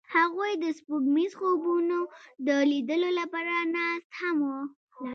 هغوی د سپوږمیز خوبونو د لیدلو لپاره ناست هم وو.